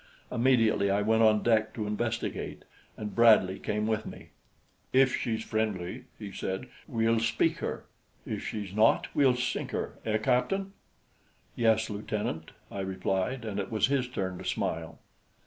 Immediately I went on deck to investigate, and Bradley came with me. "If she's friendly," he said, "we'll speak her. If she's not, we'll sink her eh, captain?" "Yes, lieutenant," I replied, and it was his turn to smile.